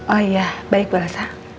oh iya baik bu rasa